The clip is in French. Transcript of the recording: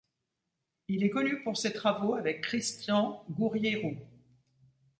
Il est connu pour ses travaux avec Christian Gouriéroux.